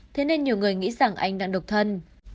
thế nên nhiều người nghĩ rằng anh đang độc thân